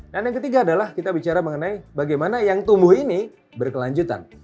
dan yang ketiga adalah kita bicara mengenai bagaimana yang tumbuh ini berkelanjutan